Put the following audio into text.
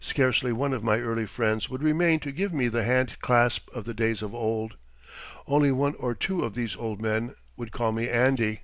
Scarcely one of my early friends would remain to give me the hand clasp of the days of old. Only one or two of these old men would call me "Andy."